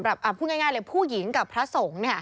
อ่ะพูดง่ายเลยผู้หญิงกับพระสงฆ์เนี่ย